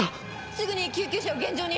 すぐに救急車を現場に！